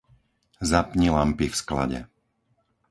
Zapni lampy v sklade.